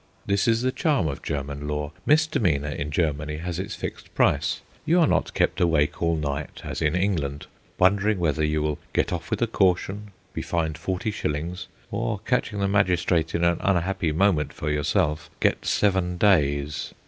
This is the charm of German law: misdemeanour in Germany has its fixed price. You are not kept awake all night, as in England, wondering whether you will get off with a caution, be fined forty shillings, or, catching the magistrate in an unhappy moment for yourself, get seven days.